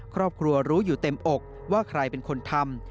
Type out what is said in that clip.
ครอบครัวรู้อยู่เต็มอกว่าใครเป็นคนทำ